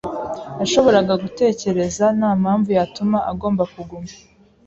yashoboraga gutekereza ntampamvu yatuma agomba kuguma.